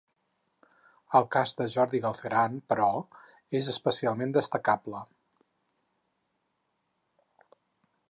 El cas de Jordi Galceran, però, és especialment destacable.